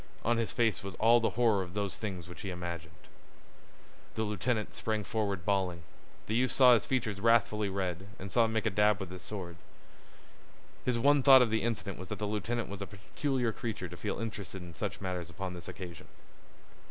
On his face was all the horror of those things which he imagined. The lieutenant sprang forward bawling. The youth saw his features wrathfully red, and saw him make a dab with his sword. His one thought of the incident was that the lieutenant was a peculiar creature to feel interested in such matters upon this occasion.